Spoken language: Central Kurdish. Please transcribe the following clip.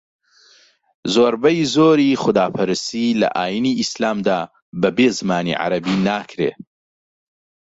زۆربەی زۆری خوداپەرستی لە ئاینی ئیسلامدا بەبێ زمانی عەرەبی ناکرێ